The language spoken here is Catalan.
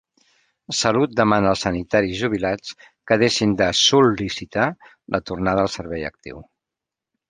Salut demana als sanitaris jubilats que deixin de sol·licitar la tornada al servei actiu